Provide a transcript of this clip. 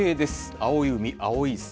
青い海、青い空。